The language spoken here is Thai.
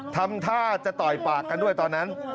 ทำท่าจะต่อยปากกันด้วยตอนนั้น